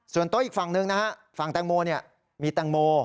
ส่วนโต๊ะอีกฝั่งหนึ่งฝั่งตังโมมีตังโม